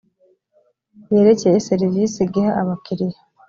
yerekeye serivisi giha abakiriya